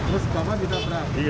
terus bawa ditabrak